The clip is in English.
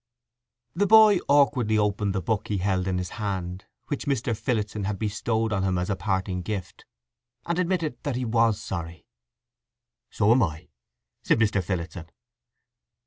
The boy awkwardly opened the book he held in his hand, which Mr. Phillotson had bestowed on him as a parting gift, and admitted that he was sorry. "So am I," said Mr. Phillotson.